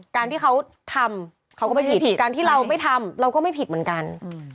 การที่เขาทำเขาก็ไม่ผิดการที่เราไม่ทำเราก็ไม่ผิดเหมือนกัน